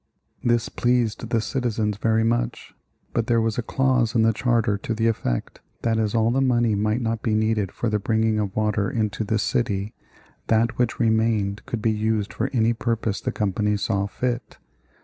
This pleased the citizens very much. But there was a clause in the charter to the effect that as all the money might not be needed for the bringing of water into the city, that which remained could be used for any purpose the company saw fit.